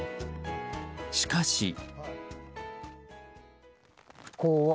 しかし。